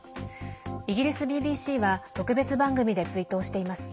イギリスＢＢＣは特別番組で追悼しています。